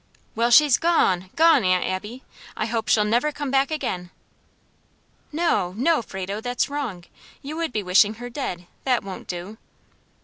"Well, she's gone, gone, Aunt Abby. I hope she'll never come back again." "No! no! Frado, that's wrong! you would be wishing her dead; that won't do."